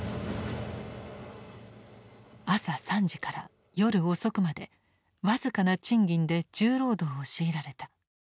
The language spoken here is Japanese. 朝３時から夜遅くまで僅かな賃金で重労働を強いられた。